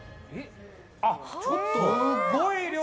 すごい量！